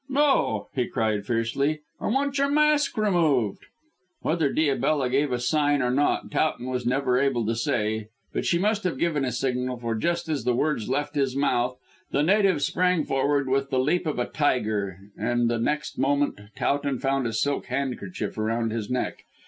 "No," he cried fiercely. "I want your mask removed." Whether Diabella gave a sign or not Towton was never able to say, but she must have given a signal, for just as the words left his mouth the native sprang forward with the leap of a tiger and the next moment Towton found a silk handkerchief round his neck.